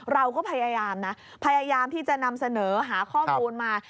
เราก็พยายามนะพยายามที่จะนำเสนอหาข้อมูลมา